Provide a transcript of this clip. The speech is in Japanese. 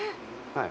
はい。